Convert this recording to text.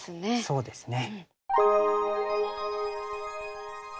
そうですね。